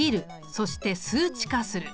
そして数値化する。